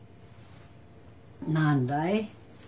何だい？